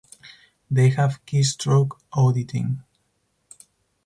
They have keystroke auditing.